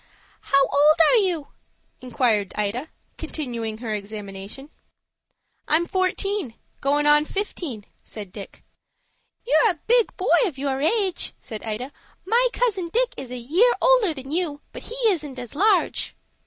"How old are you?" inquired Ida, continuing her examination. "I'm fourteen,—goin' on fifteen," said Dick. "You're a big boy of your age," said Ida. "My cousin Dick is a year older than you, but he isn't as large."